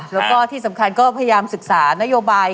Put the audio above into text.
แล้วก็ที่สำคัญก็พยายามศึกษานโยบาย